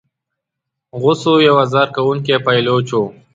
غوثو یو آزار کوونکی پایلوچ وو.